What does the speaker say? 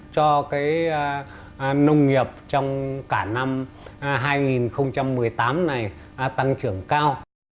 cho cái nông nghiệp trong cả năm hai nghìn một mươi tám này tăng trưởng cao